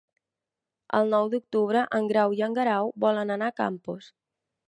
El nou d'octubre en Grau i en Guerau volen anar a Campos.